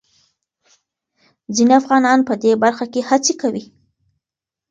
ځينې افغانان په دې برخه کې هڅې کوي.